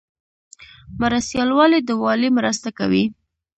مرستیال والی د والی مرسته کوي